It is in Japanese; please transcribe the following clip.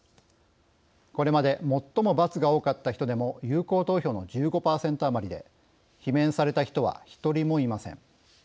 これまで最も「×」が多かった人でも有効投票の１５％余りで罷免された人は一人もいません。